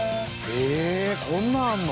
ええこんなあんの？